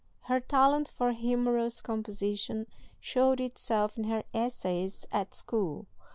Her talent for humorous composition showed itself in her essays at school.